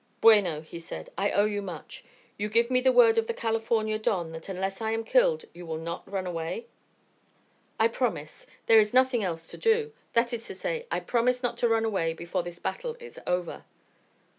"Bueno," he said, "I owe you much. You give me the word of the California don that unless I am killed you will not run away?" "I promise. There is nothing else to do. That is to say, I promise not to run away before this battle is over."